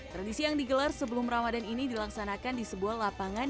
tradisi yang digelar sebelum ramadan ini dilaksanakan di sebuah lapangan